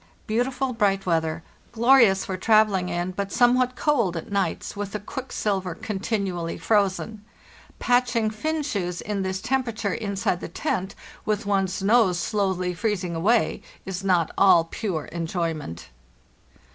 Beautiful, [42 FARTHEST NORTH bright weather; glorious for travelling in, but somewhat cold at nights, with the quicksilver continually frozen. Patching Finn shoes in this temperature inside the tent, with one's nose slowly freezing away, is not all pure en joyment.